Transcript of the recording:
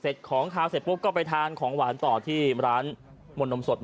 ของขาวเสร็จปุ๊บก็ไปทานของหวานต่อที่ร้านมนต์นมสด